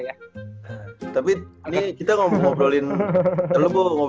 iya boleh tapi ini kita ngobrolin rumor rumor gitu boleh nggak ya